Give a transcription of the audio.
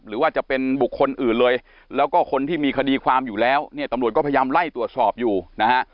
หรือว่าจะเป็นบุคคลอื่นเลยแล้วก็คนที่มีคดีความอยู่แล้วเนี่ยตำรวจก็พยายามไล่ตรวจสอบอยู่นะฮะ